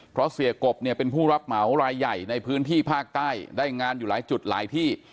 เพราะเสียกบเนี่ยเป็นผู้รับเหมารายใหญ่ในพื้นที่ภาคใต้ได้งานอยู่หลายจุดหลายที่